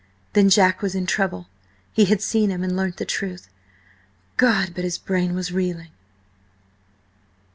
Then Jack was in trouble? He had seen him and learnt the truth? God, but his brain was reeling!